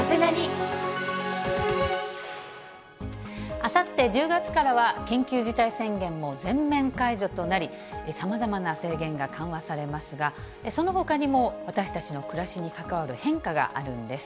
あさって１０月からは、緊急事態宣言も全面解除となり、さまざまな制限が緩和されますが、そのほかにも、私たちの暮らしに関わる変化があるんです。